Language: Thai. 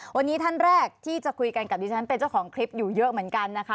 วันนี้ท่านแรกที่จะคุยกันกับดิฉันเป็นเจ้าของคลิปอยู่เยอะเหมือนกันนะคะ